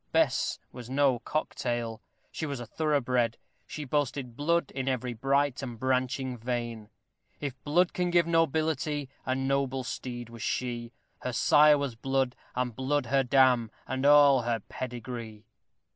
Bess was no cock tail. She was thorough bred; she boasted blood in every bright and branching vein: If blood can give nobility, A noble steed was she; Her sire was blood, and blood her dam, And all her pedigree.